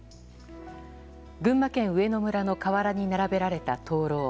群馬県上野村の河原に並べられた灯篭。